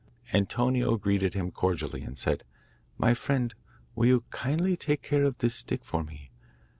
Antonio greeted him cordially, and said: 'My friend, will you kindly take care of this stick for me?